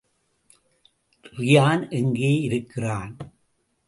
Ryan எங்கே யிருக்கிறான்?